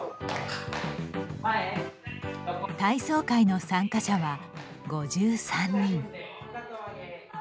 体操会の参加者は５３人。